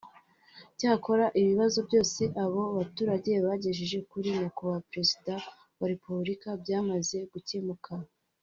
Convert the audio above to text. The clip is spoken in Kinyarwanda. Cyakora ibibazo byose abo baturage bagejeje kuri Nyakubahwa Perezida wa Repubulika byamaze gukemuka